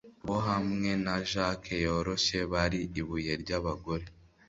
bo hamwe na jack yoroshye bari ibuye ryabagore) -